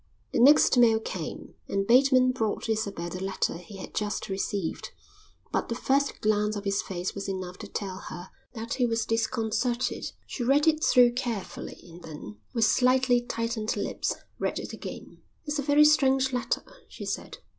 The next mail came, and Bateman brought Isabel the letter he had just received; but the first glance of his face was enough to tell her that he was disconcerted. She read it through carefully and then, with slightly tightened lips, read it again. "It's a very strange letter," she said.